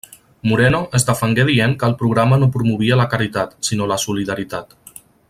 Moreno es defengué dient que el programa no promovia la caritat, sinó la solidaritat.